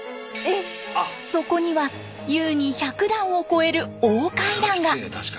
そこには優に１００段を超える大階段が！